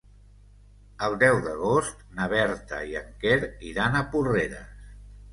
El deu d'agost na Berta i en Quer iran a Porreres.